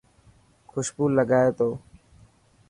خوشبو لگائي تو.